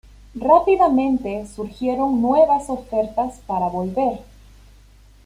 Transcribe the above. Rápidamente surgieron nuevas ofertas para volver.